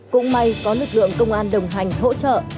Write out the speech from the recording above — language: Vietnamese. cũng may có lực lượng công an đồng hành hỗ trợ